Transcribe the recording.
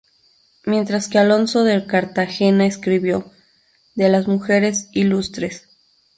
Mientras que Alonso de Cartagena escribió ""De las mujeres ilustres".